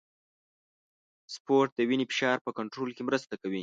سپورت د وینې فشار په کنټرول کې مرسته کوي.